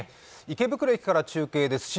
池袋駅から中継です。